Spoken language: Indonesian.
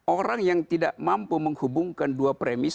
orang yang tidak mampu menghubungkan dua premis